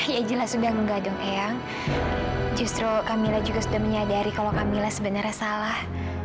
ya jelas sudah nggak dong ayang justru kamilah juga sudah menyadari kalau kamilah sebenarnya salah